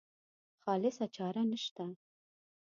خالصه چاره نشته.